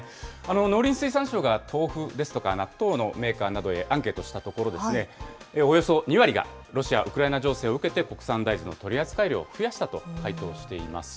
農林水産省が豆腐ですとか納豆のメーカーなどへアンケートしたところ、およそ２割がロシア・ウクライナ情勢を受けて国産大豆の取扱量を増やしたと回答しています。